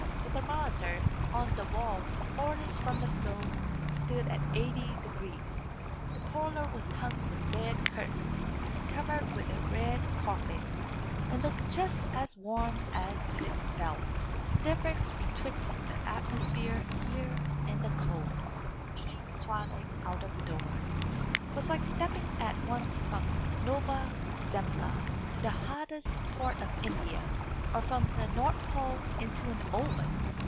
A thermometer on the wall farthest from the stove stood at eighty degrees. The parlour was hung with red curtains, and covered with a red carpet, and looked just as warm as it felt. The difference betwixt the atmosphere here and the cold, wintry twilight out of doors, was like stepping at once from Nova Zembla to the hottest part of India, or from the North Pole into an oven.